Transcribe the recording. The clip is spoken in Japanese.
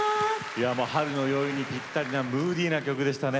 いやもう春の宵にぴったりなムーディーな曲でしたね。